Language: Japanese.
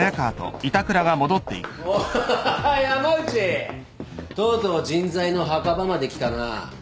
おハハハ山内とうとう人材の墓場まで来たな。